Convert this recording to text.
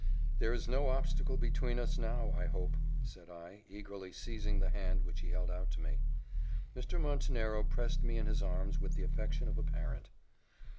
"There is no obstacle between us now, I hope," said I, eagerly seizing the hand which he held out to me. Mr. Montenero pressed me in his arms, with the affection of a parent.